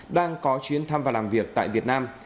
đang có chuyến thăm và làm việc tại việt nam